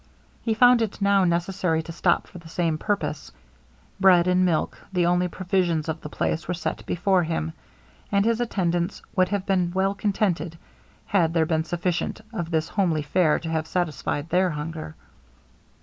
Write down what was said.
He found it now necessary to stop for the same purpose. Bread and milk, the only provisions of the place, were set before him, and his attendants would have been well contented, had there been sufficient of this homely fare to have satisfied their hunger.